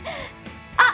あっ